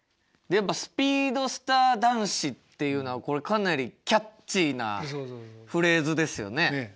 やっぱ「スピードスター男子」っていうのはこれかなりキャッチーなフレーズですよね。